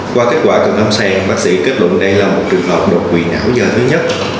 qua kết quả từ năm sáng bác sĩ kết luận đây là một trường hợp đột quỷ não dơ thứ nhất